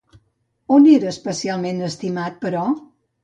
On era especialment estimat, però?